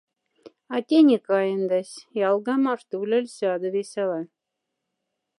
А тяни каендась — ялга мархта улель сяда весяла.